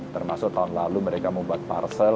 termasuk tahun lalu mereka membuat parcel